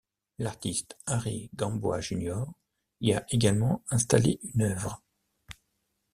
L'artiste Harry Gamboa Jr y a également installé une œuvre.